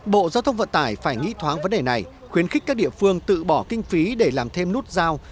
bộ giao thông vận tải phải nghĩ thoáng vấn đề này khuyến khích các địa phương tự bỏ kinh phí để làm thêm nút giao